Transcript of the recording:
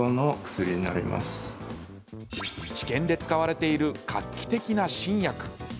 治験で使われている画期的な新薬。